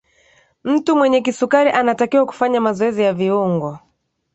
mtu mwenye kisukari anatakiwa kufanya mazoezi ya viungo